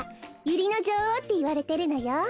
ユリのじょおうっていわれてるのよ。